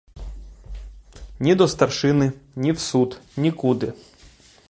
Ні до старшини, ні в суд — нікуди.